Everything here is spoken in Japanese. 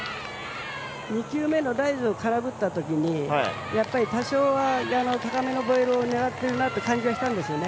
２球目のライズ空振った時に多少は高めのボールを狙ってるなという感じがしたんですよね。